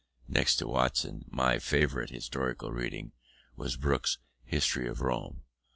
Next to Watson, my favourite historical reading was Hooke's History of Rome.